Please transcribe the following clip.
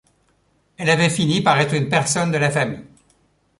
Elle avait fini par être une personne de la famille.